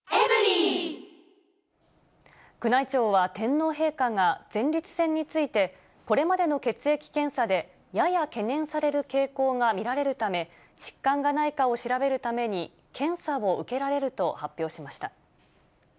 宮内庁は、天皇陛下が前立腺について、これまでの血液検査でやや懸念される傾向が見られるため、疾患がないかを調べるために、検査を受けられると発表しました。